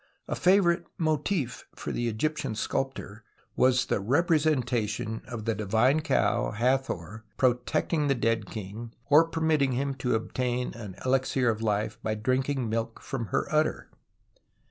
A favourite motif for the Egyptian sculptor was the re presentation of the Divine Cow, Hathor, pro tecting the dead king or permitting him to obtain an elixir of life by drinking milk from her udder.